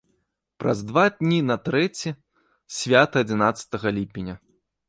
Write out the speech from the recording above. Праз два дні на трэці свята адзінаццатага ліпеня.